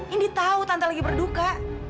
ini tahu tante lagi berduka